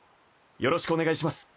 よろしくお願いします。